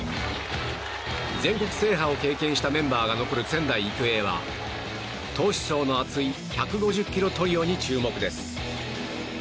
全国制覇を経験したメンバーが残る仙台育英は投手層の厚い１５０キロトリオに注目です。